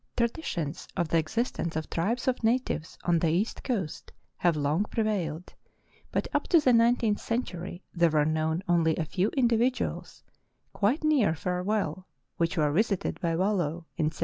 Traditions of the existence of tribes of natives on the east coast have long prevailed, but up to the nineteenth century there were known only a few individuals, quite near Farewell, which were visited by Wall(j) in 1752.